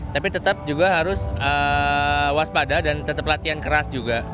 tapi tetap juga harus waspada dan tetap latihan keras juga